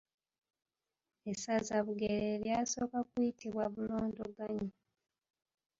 Essaza Bugerere lyasooka kuyitibwa Bulondoganyi.